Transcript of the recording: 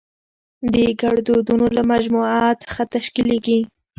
د ګړدودونو له مجموعه څخه تشکېليږي.